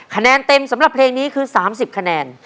คะแนนเต็มสำหรับเพลงนี้คือ๓๐คะแนน